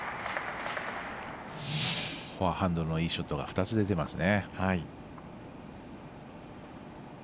フォアハンドのいいショットが２つ出てますね。